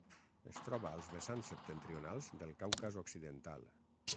Es troba als vessants septentrionals del Caucas occidental.